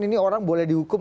ini orang boleh dihukum